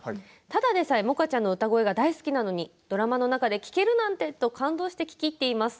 ただでさえ萌歌ちゃんの歌声が大好きなのにドラマの中で聴けるなんてと感動して聴き入っています。